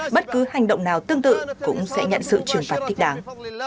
bất cứ hành động nào tương tự cũng sẽ nhận sự trừng phạt thích đáng